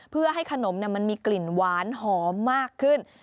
เพื่อให้ขนมมันมีกลิ่นหวานหอมมากขึ้น